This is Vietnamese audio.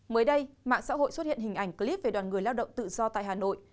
mới đây mạng xã hội xuất hiện hình ảnh clip về đoàn người lao động tự do tại hà nội